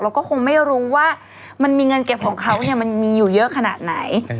แล้วก็คงไม่รู้ว่ามันมีเงินเก็บของเขามันมีอยู่เยอะขนาดไหน